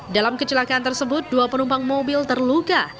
dalam kecelakaan tersebut dua penumpang mobil terluka